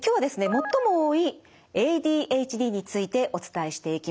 最も多いＡＤＨＤについてお伝えしていきます。